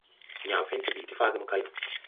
Yãã fen joo bìi ti faage mo kay no.